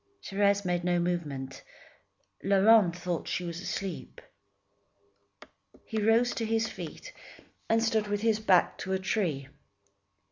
Thérèse made no movement. Laurent thought she was asleep. He rose to his feet and stood with his back to a tree.